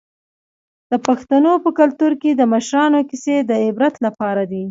د پښتنو په کلتور کې د مشرانو کیسې د عبرت لپاره دي.